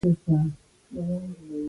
احمد سږ کال په تجارت کې زخمي زخمي شو.